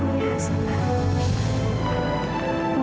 saat yang sengaja